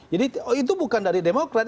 jadi itu bukan dari demokrat